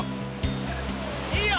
・いいよ。